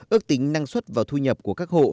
ước tính năng suất và thu nhập của các hộ